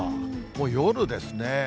もう夜ですね。